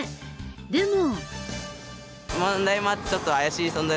でも。